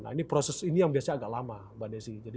nah ini proses ini yang biasanya agak lama mbak desi